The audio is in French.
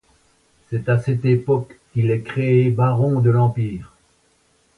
C'est à cette époque qu'il est créé baron de l'Empire.